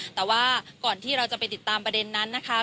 แต่ว่าก่อนที่เราจะไปติดตามประเด็นนั้นนะคะ